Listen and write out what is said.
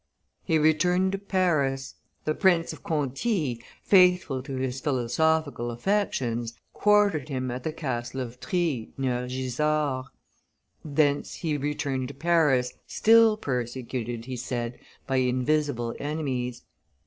He returned to France. The Prince of Conti, faithful to his philosophical affections, quartered him at the castle of Trye, near Gisors. Thence he returned to Paris, still persecuted, he said, by invisible enemies.